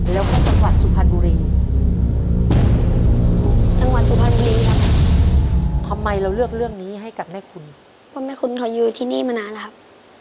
เพราะแม่คุณเขาอยู่ที่นี่มานานแล้วครับ